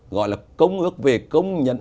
gọi là công ước về công nhận